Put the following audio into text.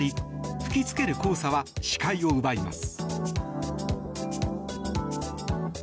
吹き付ける黄砂は視界を奪います。